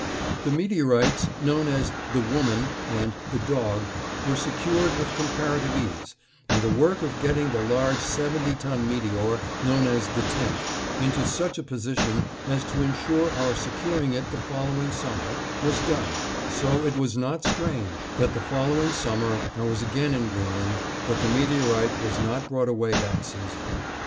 The meteorites known as "The Woman" and "The Dog" were secured with comparative ease, and the work of getting the large seventy ton meteor, known as "The Tent," into such a position as to insure our securing it the following summer, was done, so it was not strange that the following summer I was again in Greenland, but the meteorite was not brought away that season.